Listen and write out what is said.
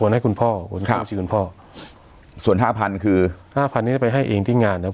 โอนให้คุณพ่อคุณพ่อส่วนห้าพันคือห้าพันเนี้ยไปให้เองที่งานนะครับ